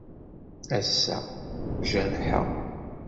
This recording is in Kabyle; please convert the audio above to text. Ass-a, jerḥeɣ.